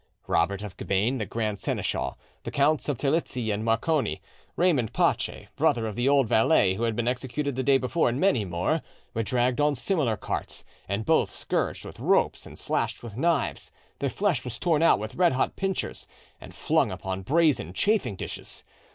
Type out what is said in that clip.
Robert of Cabane, the grand seneschal, the Counts of Terlizzi and Morcone, Raymond Pace, brother of the old valet who had been executed the day before, and many more, were dragged on similar carts, and both scourged with ropes and slashed with knives; their flesh was torn out with red hot pincers, and flung upon brazen chafing dishes.